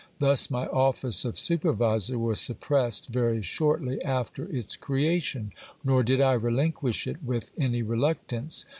Thus my office of supervisor was suppressed very shortly after its crea tion ; nor did I relinquish it with any reluctance.